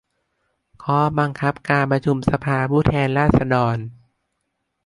ข้อบังคับการประชุมสภาผู้แทนราษฎร